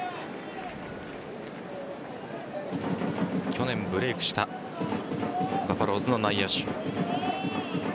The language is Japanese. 去年ブレイクしたバファローズの内野手。